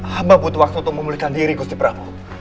hamba butuh waktu untuk memulihkan diri gusti prabu